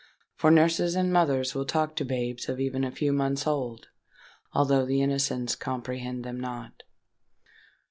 For nurses and mothers will talk to babes of even a few months old—although the innocents comprehend them not!